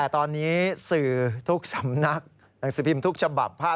โทนตำรวจโทษ